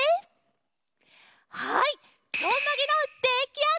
はい！